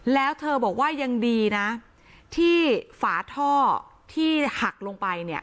แล้วเธอบอกว่ายังดีนะที่ฝาท่อที่หักลงไปเนี่ย